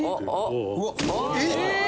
「うわっえっ！」